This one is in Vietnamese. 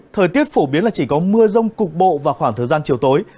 thời tiết phổ biến là chỉ có mưa rông cục bộ vào khoảng thời gian chiều tối